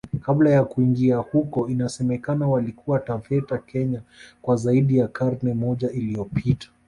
Kabla ya kuingia huko inasemekana walikuwa Taveta Kenya kwa zaidi ya karne moja iliyopita